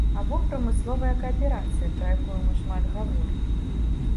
Або прамысловая кааперацыя, пра якую мы шмат гаворым.